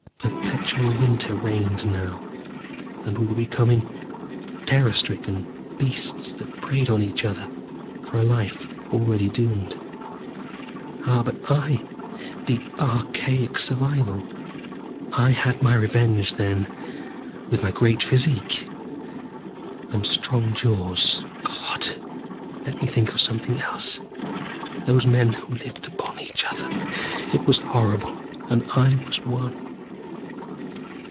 Perpetual winter reigned now; and we were becoming terror stricken beasts that preyed on each other for a life already doomed. Ah, but I, I the archaic survival, I had my revenge then, with my great physique and strong jaws God! Let me think of something else. Those men who lived upon each other it was horrible. And I was one.